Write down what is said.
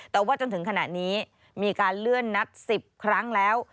แต่ว่าจนถึงขณะนี้มีการเลื่อนนัด๑๐ครั้งแล้ว